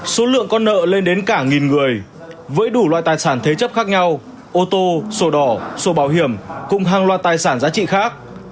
số lượng con nợ lên đến cả nghìn người với đủ loại tài sản thế chấp khác nhau ô tô sổ đỏ sổ bảo hiểm cùng hàng loạt tài sản giá trị khác